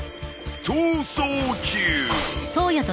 ［逃走中］